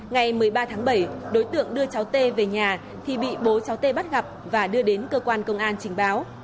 ngày một mươi ba tháng bảy đối tượng đưa cháu t về nhà khi bị bố cháu t bắt gặp và đưa đến cơ quan công an trình báo